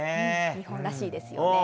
日本らしいですよね。